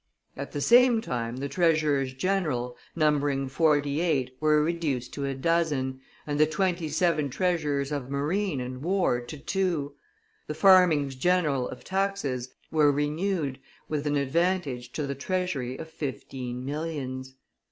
At the same time the treasurers general, numbering forty eight, were reduced to a dozen, and the twenty seven treasurers of marine and war to two; the farmings general (of taxes) were renewed with an advantage to the treasury of fifteen millions.